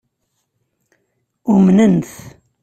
Umnen-t.